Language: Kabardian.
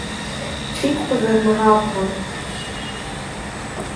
Фигу къызэвмыгъабгъэ.